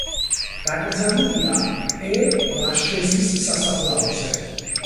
დაკრძალულია პერ-ლაშეზის სასაფლაოზე.